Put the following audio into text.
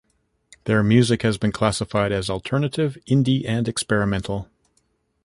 Their music has been classified as alternative, indie, and experimental.